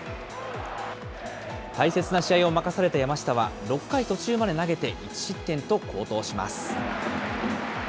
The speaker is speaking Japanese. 大切な試合を任された山下は、６回途中まで投げて、１失点と好投します。